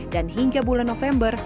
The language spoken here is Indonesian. dan hingga bulan november